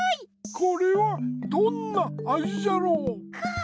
これはどんなあじじゃろう？か！